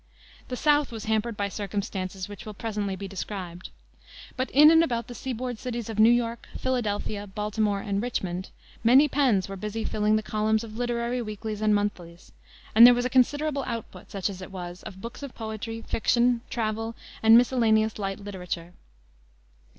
The South was hampered by circumstances which will presently be described. But in and about the seaboard cities of New York, Philadelphia, Baltimore and Richmond, many pens were busy filling the columns of literary weeklies and monthlies; and there was a considerable output, such as it was, of books of poetry, fiction, travel, and miscellaneous light literature.